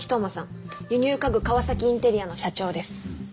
輸入家具川崎インテリアの社長です。